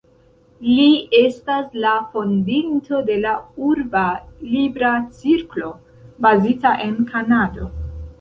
Li estas la fondinto de la Urba Libra Cirklo, bazita en Kanado.